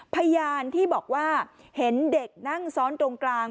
พยานที่บอกว่าเห็นเด็กนั่งซ้อนตรงกลาง